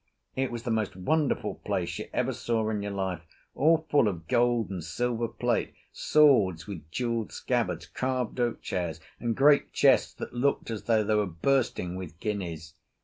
It was the most wonderful place you ever saw in your life, all full of gold and silver plate, swords with jewelled scabbards, carved oak chairs, and great chests that look as though they were bursting with guineas.